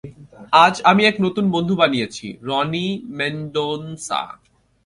আজ আমি এক নতুন বন্ধু বানিয়েছি, রনি মেনডোনসা।